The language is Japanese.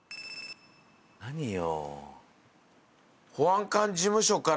何よ？